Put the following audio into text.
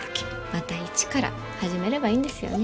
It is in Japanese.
また一から始めればいいんですよね。